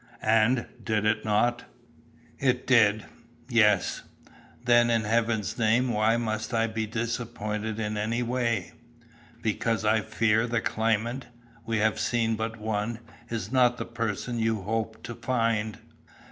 "And, did it not?" "It did, yes." "Then, in heaven's name why must I be disappointed in any way?" "Because I fear the claimant we have seen but one is not the person you hoped to find."